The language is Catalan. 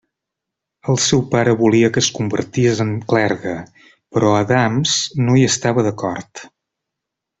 El seu pare volia que es convertís en clergue, però Adams no hi estava d'acord.